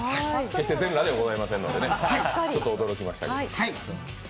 決して全裸ではございませんのでちょっと驚きましたけど。